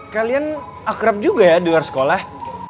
kalian akrab juga ya di luar sekolah